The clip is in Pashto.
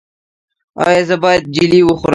ایا زه باید جیلې وخورم؟